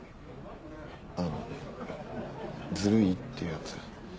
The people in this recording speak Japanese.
あのズルいってやつ。